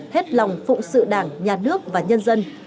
hết lòng phụng sự đảng nhà nước và nhân dân